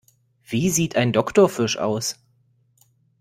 Wie sieht ein Doktorfisch aus?